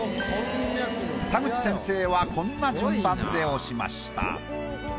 田口先生はこんな順番で押しました。